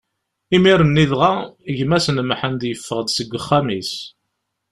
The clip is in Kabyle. Imir-nni dɣa, gma-s n Mḥend yeffeɣ-d seg uxxam-is.